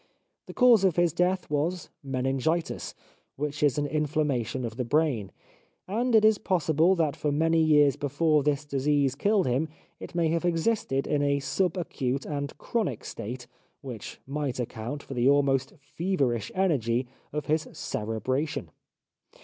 The cause of his death was meningitis, which is an inflammation of the brain, and it is possible that for many years before this disease killed him it may have existed in a subacute and chronic state which might account for the almost feverish energy of his cerebration.